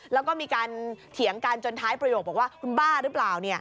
แล้วก็มีการเถียงกันจนท้ายประโยคบอกว่าคุณบ้าหรือเปล่า